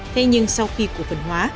thế nhưng sau khi cổ phần hóa